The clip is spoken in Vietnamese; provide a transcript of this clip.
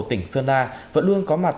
tỉnh sơn la vẫn luôn có mặt